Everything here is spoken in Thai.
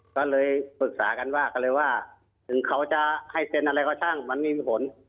ก็เลยปรึกษากันว่าถึงเขาจะให้เซ็นอะไรก็ช่างมันมีผล